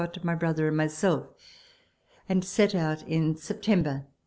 Scott, my brother and myself and set out in September 1837.